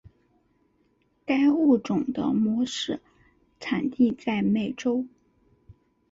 该物种的模式产地在美洲。